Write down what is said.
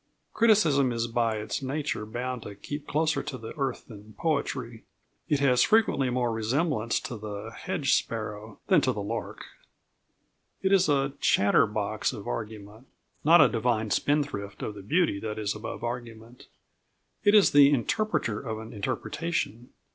Criticism is by its nature bound to keep closer to the earth than poetry. It has frequently more resemblance to the hedge sparrow than to the lark. It is a chatterbox of argument, not a divine spendthrift of the beauty that is above argument. It is the interpreter of an interpretation.